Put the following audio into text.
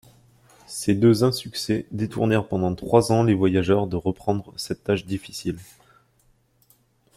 Ces deux insuccès détournèrent pendant trois ans les voyageurs de reprendre cette tâche difficile.